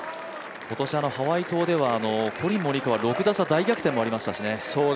今年、ハワイ島ではコリン・モリカワと６打差大逆転もありましたしね。